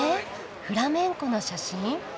フラメンコの写真？